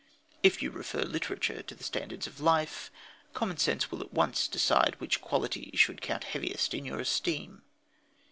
If you refer literature to the standards of life, common sense will at once decide which quality should count heaviest in your esteem.